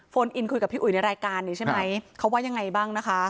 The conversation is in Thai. อินคุยกับพี่อุ๋ยในรายการนี้ใช่ไหมเขาว่ายังไงบ้างนะคะ